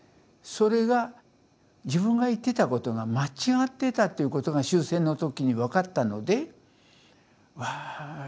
それが自分が言ってたことが間違ってたっていうことが終戦の時に分かったのでうわ